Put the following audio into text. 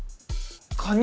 カニ？